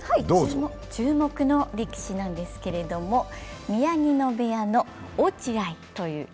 注目の力士なんですけれども宮城野部屋の落合。